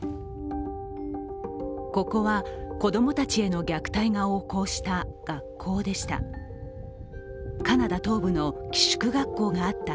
ここは、子供たちへの虐待が横行した学校でした。